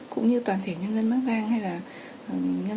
cũng như toàn thể nhân dân bắc giang